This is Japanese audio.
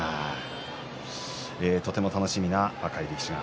とても楽しみな若い力士が